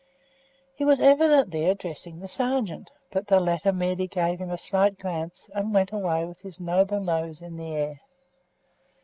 He was evidently addressing the sergeant, but the latter merely gave him a slight glance, and went away with his noble nose in the air.